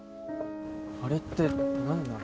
あれって何なの？